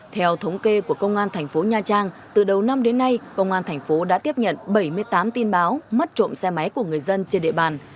theo thống kê của công an thành phố nha trang từ đầu năm đến nay công an thành phố đã tiếp nhận bảy mươi tám tin báo mất trộm xe máy của người dân trên địa bàn